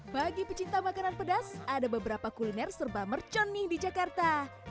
bagi pecinta makanan pedas ada beberapa kuliner serba mercon nih di jakarta